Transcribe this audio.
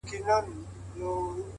پوهه د انسان ځواک زیاتوي’